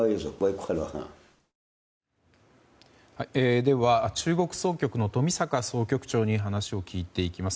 では、中国総局の冨坂総局長に話を聞いていきます。